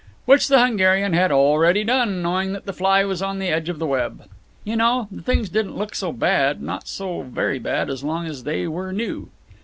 Which the Hungarian had already done, knowing that the fly was on the edge of the web. You know, the things didn't look so bad, not so very bad as long as they were new.